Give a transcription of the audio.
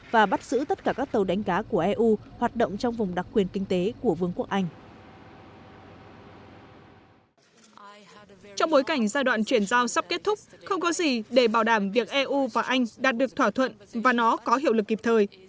và anh đạt được thỏa thuận và nó có hiệu lực kịp thời